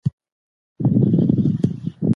ایا وزیر اکبر خان د خپل ژوند په پیل کې جګړه کړې وه؟